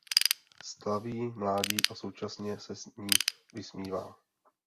Slaví mládí a současně se z ní vysmívá.